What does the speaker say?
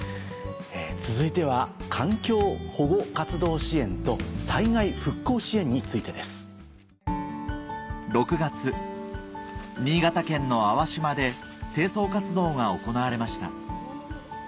続いては環境保護活動支援と災害復興支援についてです。６月新潟県の粟島で清掃活動が行われました